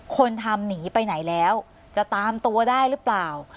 คนทำหนีไปไหนแล้วจะตามตัวได้หรือเปล่า